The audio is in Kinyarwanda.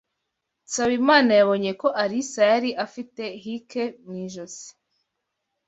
Nsabimana yabonye ko Alice yari afite hickie mu ijosi.